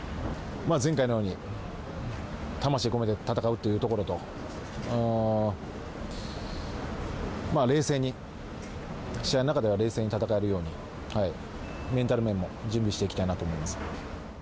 前回のように魂込めて戦うというところと試合の中では冷静に戦えるようにメンタル面も準備していきたいなと思います。